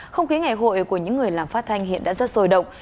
không khí ngày hội của những người làm phát thanh hiện đã rất sôi động